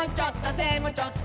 でもちょっと！